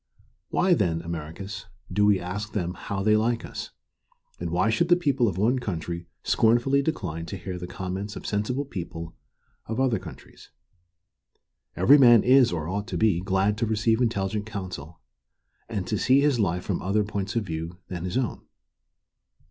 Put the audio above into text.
Why, then, Americus, do we ask them how they like us? And why should the people of one country scornfully decline to hear the comments of sensible people of other countries? Every man is, or ought to be, glad to receive intelligent counsel, and to see his life from other points of view than his own.